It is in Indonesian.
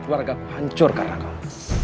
keluarga pancur karena kamu